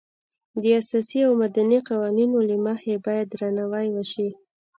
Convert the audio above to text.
د اساسي او مدني قوانینو له مخې باید درناوی وشي.